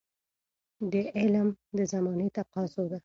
د علم Acquisition د زمانې تقاضا ده.